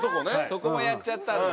そこもやっちゃったんだ。